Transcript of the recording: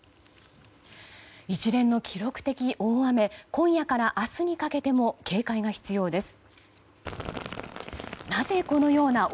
一連の記録的大雨今夜から明日にかけても警戒が必要です。